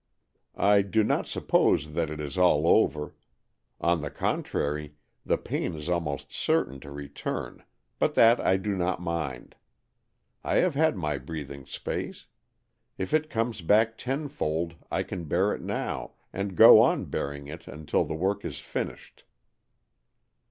I do not suppose that it is all over. On the con trary, the pain is almost certain to return, but that I do not mind. I have had my breathing space. If it comes back tenfold, I can bear it now, and go on bearing it until the work is finished."